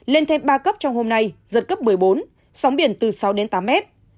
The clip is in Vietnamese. lên thêm ba cấp trong hôm nay giật cấp một mươi bốn sóng biển từ sáu tám m